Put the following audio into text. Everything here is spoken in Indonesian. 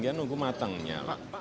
ya nunggu matangnya